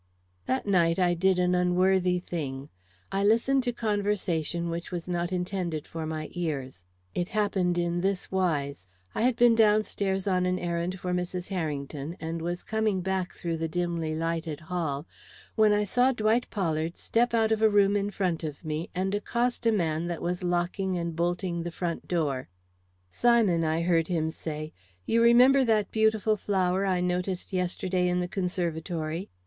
That night I did an unworthy thing; I listened to conversation which was not intended for my ears. It happened in this wise: I had been down stairs on an errand for Mrs. Harrington, and was coming back through the dimly lighted hall, when I saw Dwight Pollard step out of a room in front of me and accost a man that was locking and bolting the front door. "Simon," I heard him say, "you remember that beautiful flower I noticed yesterday in the conservatory?"